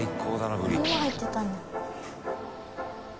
ぶりも入ってたんだ。